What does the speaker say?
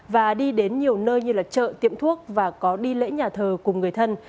và đi đến nhiều nơi như là chợ tiệm thuốc và có đi lễ nhà thờ cùng người thân